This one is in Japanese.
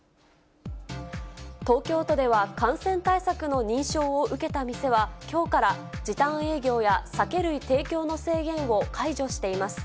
東京都では感染対策の認証を受けた店は、きょうから時短営業や酒類提供の制限を解除しています。